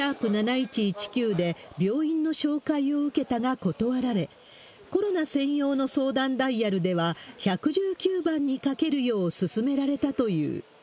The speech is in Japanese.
＃７１１９で、病院の紹介を受けたが断られ、コロナ専用の相談ダイヤルでは、１１９番にかけるよう勧められたという。